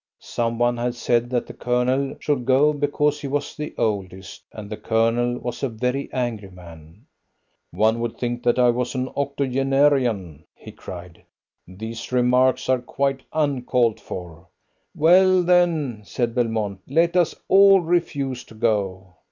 Some one had said that the Colonel should go because he was the oldest, and the Colonel was a very angry man. "One would think I was an octogenarian," he cried. "These remarks are quite uncalled for." "Well, then," said Belmont, "let us all refuse to go."